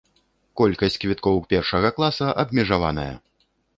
Колькасць квіткоў першага класа абмежаваная!